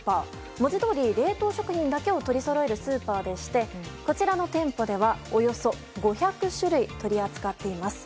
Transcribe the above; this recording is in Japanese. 文字どおり冷凍食品だけを取りそろえるスーパーでして、こちらの店舗はおよそ５００種類取り扱っています。